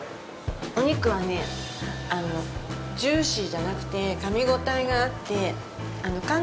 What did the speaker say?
お肉はね、ジューシーじゃなくてかみ応えがあってかん